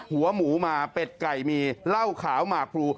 หัวหมูมาเป็ดไก่มีเหล้าขาวหมากพลู